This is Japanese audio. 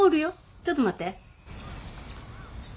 ちょっと待って。